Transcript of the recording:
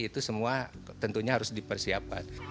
itu semua tentunya harus dipersiapkan